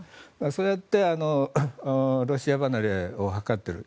そうやってロシア離れを図っている。